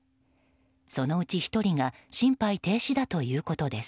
そのうち１人が心肺停止だということです。